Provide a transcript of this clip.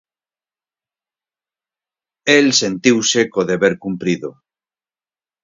El sentiuse co deber cumprido.